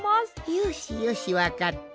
よしよしわかった！